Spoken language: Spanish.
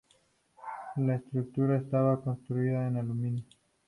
La estructura estaba construida en aluminio.